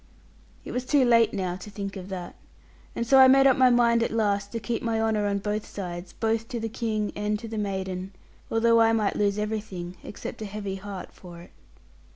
It was too late now to think of that; and so I made up my mind at last to keep my honour on both sides, both to the King and to the maiden, although I might lose everything except a heavy heart for it.